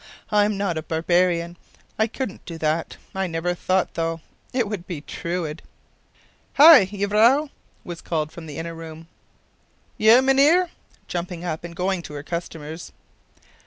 I’m not a barbarian; I couldn’t do that. I never thought, though, it would be Truide.” “_Hi, jevrouw_,” was called from the inner room. “_Je, mynheer_,” jumping up and going to her customers.